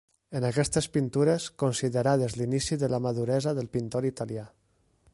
En aquestes pintures, considerades l'inici de la maduresa del pintor italià.